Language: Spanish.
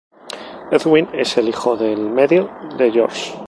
Edwin: Es el hijo del medio de George.